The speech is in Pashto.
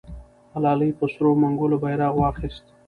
ملالۍ په سرو منګولو بیرغ واخیست.